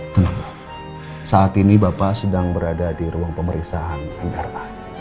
tenang saat ini bapak sedang berada di ruang pemeriksaan ira